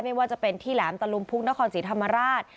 ไม่ว่าจะเป็นที่แหลมตะลุมพุกนครศรีธรรมราช